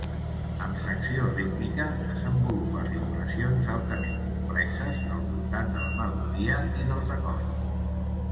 Amb secció rítmica, desenvolupa figuracions altament complexes al voltant de la melodia i dels acords.